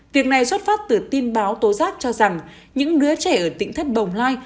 việc này xuất phát từ tin báo tố giác cho rằng những đứa trẻ ở tỉnh thất bồng lai